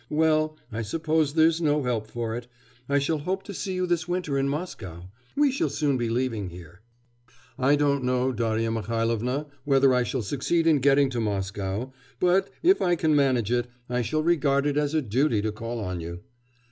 Well, I suppose there's no help for it. I shall hope to see you this winter in Moscow. We shall soon be leaving here.' 'I don't know, Darya Mihailovna, whether I shall succeed in getting to Moscow, but, if I can manage it, I shall regard it as a duty to call on you.